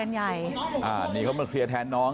นี่น้องผมมันไม่มีดียัง